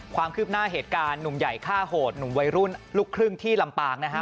ความคืบหน้าเหตุการณ์หนุ่มใหญ่ฆ่าโหดหนุ่มวัยรุ่นลูกครึ่งที่ลำปางนะฮะ